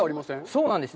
そうなんです。